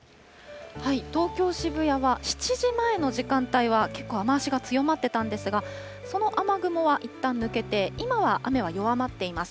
東京・渋谷は、７時前の時間帯は、結構雨足が強まっていたんですが、その雨雲はいったん抜けて、今は雨は弱まっています。